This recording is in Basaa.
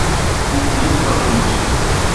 U kumus bañ mut.